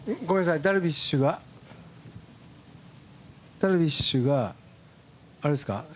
ダルビッシュがあれですか？